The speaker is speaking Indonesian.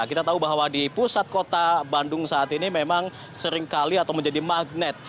kita tahu bahwa di pusat kota bandung saat ini memang seringkali atau menjadi magnet